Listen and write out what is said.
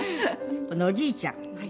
今度おじいちゃん。